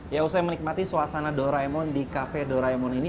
ya usai menikmati suasana doraemon di kafe doraemon ini